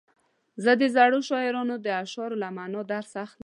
زه د زړو شاعرانو د اشعارو له معنا درس اخلم.